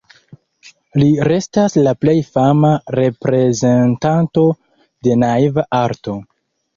Li restas la plej fama reprezentanto de naiva arto.